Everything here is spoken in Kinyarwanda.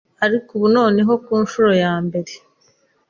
Ariko ubu noneho ku nshuro ya mbere,